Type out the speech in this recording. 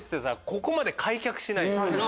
ここまで開脚しないよ。